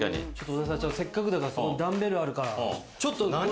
せっかくだからダンベルあるから、何？